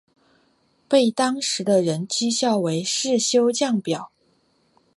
被当时的人讥笑为世修降表。